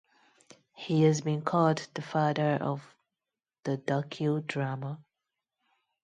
He has been called the father of the docu-drama.